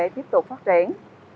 tiếp tục phát triển